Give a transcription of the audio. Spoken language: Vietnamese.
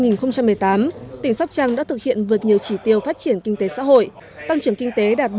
năm hai nghìn một mươi tám tỉnh sóc trăng đã thực hiện vượt nhiều chỉ tiêu phát triển kinh tế xã hội tăng trưởng kinh tế đạt bảy